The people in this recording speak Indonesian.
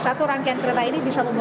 satu rangkaian kereta ini bisa membuat